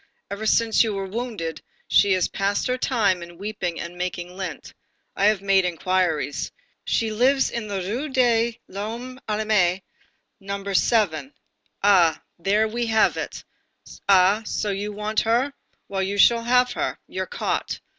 Ever since you were wounded, she has passed her time in weeping and making lint. I have made inquiries. She lives in the Rue de l'Homme Armé, No. 7. Ah! There we have it! Ah! so you want her! Well, you shall have her. You're caught.